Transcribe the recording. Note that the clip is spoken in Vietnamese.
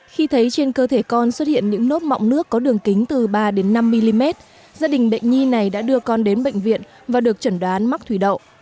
khi thấy trên cơ thể con xuất hiện những nốt mọng nước có đường kính từ ba đến năm mm gia đình bệnh nhi này đã đưa con đến bệnh viện và được chẩn đoán mắc thủy đậu